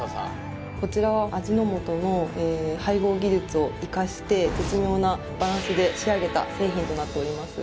こちらは味の素の配合技術を生かして絶妙なバランスで仕上げた製品となっております